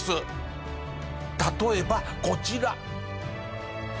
例えばこちら。